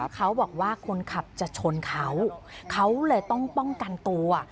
เขาบอกว่าคนขับจะชนเขาเขาเลยต้องป้องกันตัว